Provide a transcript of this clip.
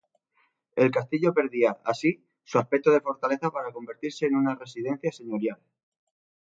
El castillo perdía, así, su aspecto de fortaleza para convertirse en una residencia señorial.